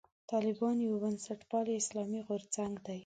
طالبان یو بنسټپالی اسلامي غورځنګ دی.